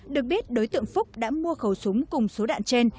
được biết đối tượng phúc đã mua khẩu súng cùng số đạn trên